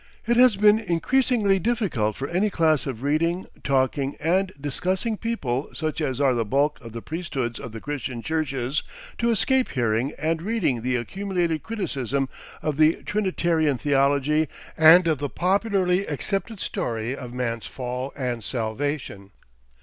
It has been increasingly difficult for any class of reading, talking, and discussing people such as are the bulk of the priesthoods of the Christian churches to escape hearing and reading the accumulated criticism of the Trinitarian theology and of the popularly accepted story of man's fall and salvation.